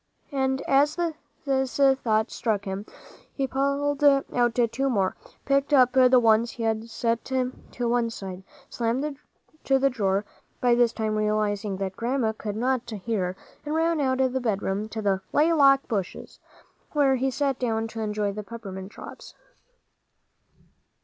And as this thought struck him, he pulled out two more, picked up the ones he had set to one side, slammed to the drawer, by this time realizing that Grandma could not hear, and ran out of the bedroom to the "laylock" bushes, where he sat down to enjoy the peppermint drops.